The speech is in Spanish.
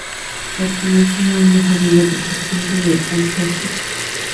Pertenecía a una familia protestante de Alsacia.